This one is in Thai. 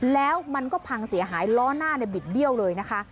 แล้วมันก็พังเสียหายล้อหน้าบิดเบี้ยวเลยนะคะ